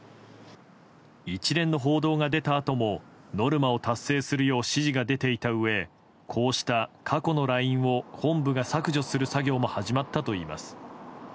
一連の報道が出たあともノルマを達成するよう指示が出ていたうえこうした過去のＬＩＮＥを本部が削除する作業も始まったといいます。